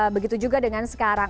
begitu juga dengan sekarang